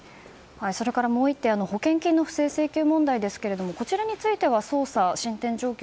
それからもう１点保険金の不正請求問題ですがこちらについては捜査の進展状況